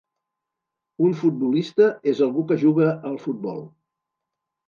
Un futbolista és algú que juga al futbol